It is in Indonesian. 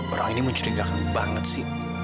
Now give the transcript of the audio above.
perang ini mencurigakan banget sih